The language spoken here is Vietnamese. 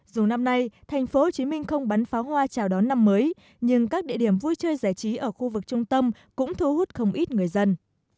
dù năm nay thành phố hồ chí minh không bắn pháo hoa chào đón năm mới nhưng các địa điểm vui chơi giải trí ở khu vực trung tâm cũng thu hút không ít người dân